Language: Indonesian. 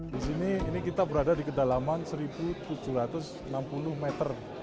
di sini ini kita berada di kedalaman satu tujuh ratus enam puluh meter